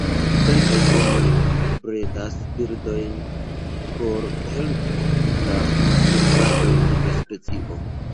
Kelkaj homoj bredas birdojn por helpi la konservadon de specio.